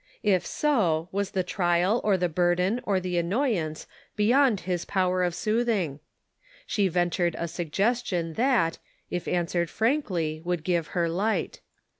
If so, was the trial, or the burden, or the annoyance beyond his power of smoothing? She ventured a suggestion that, if answered frankly, would give her light.